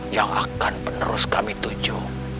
yang akan penerus kami tuju